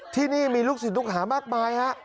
ที่นี่มีลูกศิษย์ลูกหามากมายฮะ